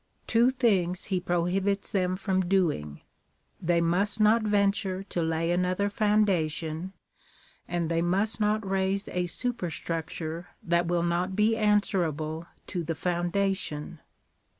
Two things he prohibits them from doing : they must not venture to lay another foundation, and they must not raise a superstnic ture that will not be answerable to the foundation.